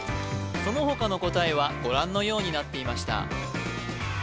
そのほかの答えはご覧のようになっていました